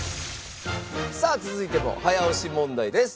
さあ続いても早押し問題です。